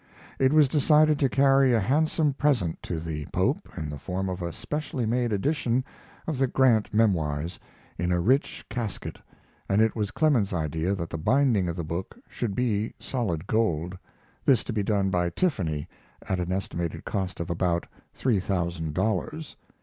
It was decided to carry a handsome present to the Pope in the form of a specially made edition of the Grant Memoirs in a rich casket, and it was Clemens's idea that the binding of the book should be solid gold this to be done by Tiffany at an estimated cost of about three thousand dollars.